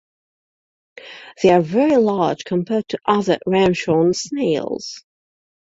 They are very large compared to other Ramshorn snails.